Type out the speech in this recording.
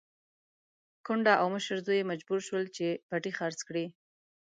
کونډه او مشر زوی يې مجبور شول چې پټی خرڅ کړي.